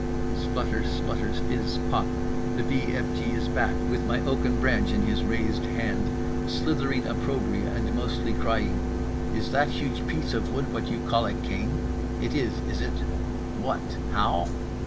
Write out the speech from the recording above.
Splutter splutter fizz Poop—the v f g is back, with my oak branch in his raised hand, slithering opprobria and mostly crying: "Is that huge piece of wood what you call a cane? It is, is it? What? How?